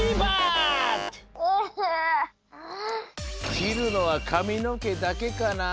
きるのはかみのけだけかなあ？